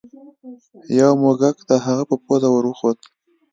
یو موږک د هغه په پوزه ور وخوت.